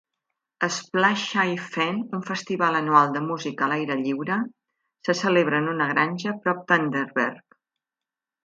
Splashy Fen, un festival anual de música a l'aire lliure, se celebra en una granja prop d'Underberg.